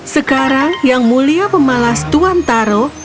sekarang yang mulia pemalas tuan taro